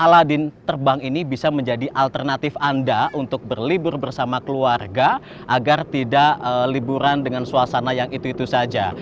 aladin terbang ini bisa menjadi alternatif anda untuk berlibur bersama keluarga agar tidak liburan dengan suasana yang itu itu saja